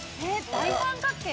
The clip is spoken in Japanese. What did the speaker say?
大三角形？